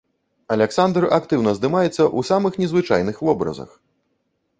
Аляксандр актыўна здымаецца ў самых незвычайных вобразах.